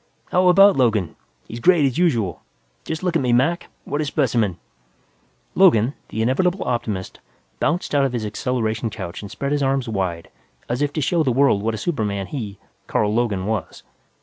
"How about Logan? He's great, as usual. Just look at me, Mac. What a specimen!" Logan, the inevitable optimist, bounced out of his acceleration couch and spread his arms wide as if to show the world what a superman he, Carl Logan, was.